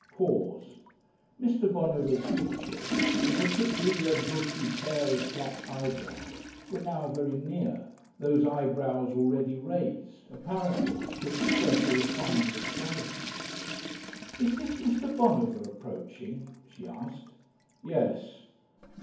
Pause. Mr. Bonover's features, and particularly a bushy pair of black eyebrows, were now very near, those eyebrows already raised, apparently to express a refined astonishment. "Is this Mr. Bonover approaching?" she asked. "Yes."